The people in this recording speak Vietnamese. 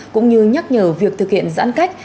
cũng như nhắc nhở việc thực hiện giãn cách